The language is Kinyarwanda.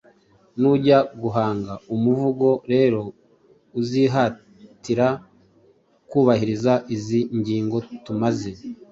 Nujya guhanga umuvugo rero uzihatira kubahiriza izi ngingo tumaze